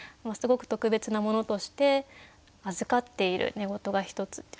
すごく特別なものとして「預かっている寝言がひとつ」。